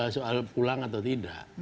soal pulang atau tidak